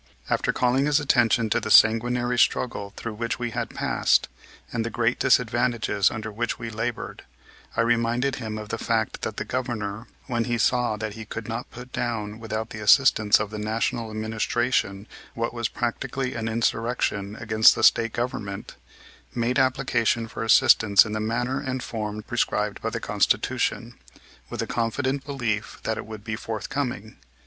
After calling his attention to the sanguinary struggle through which we had passed, and the great disadvantages under which we labored, I reminded him of the fact that the Governor, when he saw that he could not put down without the assistance of the National Administration what was practically an insurrection against the State Government, made application for assistance in the manner and form prescribed by the Constitution, with the confident belief that it would be forthcoming.